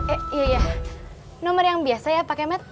eh iya nomor yang biasa ya pak kemet